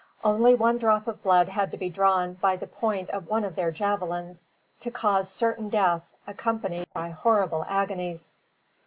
Only one drop of blood had to be drawn by the point of one of their javelins, to cause certain death accompanied by horrible agonies!